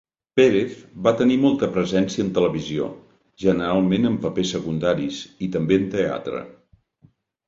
Pérez va tenir molta presència en televisió, generalment en papers secundaris, i també en teatre.